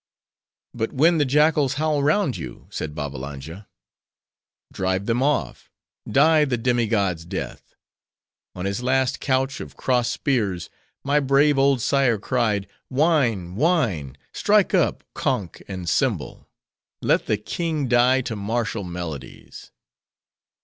"But when the jackals howl round you?" said Babbalanja. "Drive them off! Die the demi god's death! On his last couch of crossed spears, my brave old sire cried, 'Wine, wine; strike up, conch and cymbal; let the king die to martial melodies!